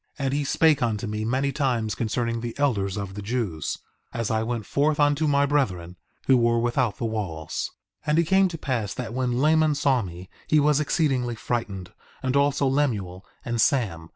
4:27 And he spake unto me many times concerning the elders of the Jews, as I went forth unto my brethren, who were without the walls. 4:28 And it came to pass that when Laman saw me he was exceedingly frightened, and also Lemuel and Sam.